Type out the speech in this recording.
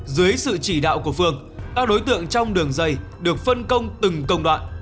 dưới sự chỉ đạo của phương các đối tượng trong đường dây được phân công từng công đoạn